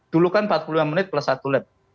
dulu kan empat puluh lima menit plus satu lab